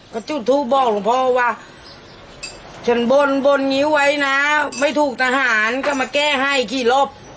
ก็จุดทูปบอกหลวงพ่อว่าฉันบนบนงิ้วไว้นะไม่ถูกทหารก็มาแก้ให้กี่รอบ